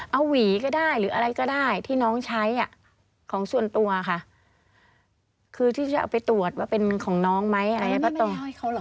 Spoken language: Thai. เอาหวีก็ได้หรืออะไรก็ได้ที่น้องใช้ของส่วนตัวค่ะคือที่จะเอาไปตรวจว่าเป็นของน้องไหมอะไรอย่างนี้ก็ต้อง